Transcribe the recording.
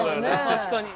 確かに。